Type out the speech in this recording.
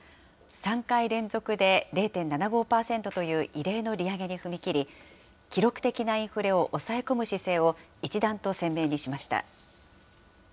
３回連続で０．７５％という異例の利上げに踏み切り、記録的なインフレを抑え込む姿勢を、一段と鮮明にしました。